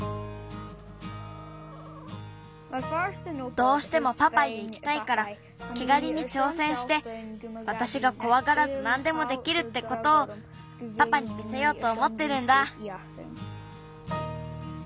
どうしてもパパイへいきたいからけがりにちょうせんしてわたしがこわがらずなんでもできるってことをパパに見せようとおもってるんだ。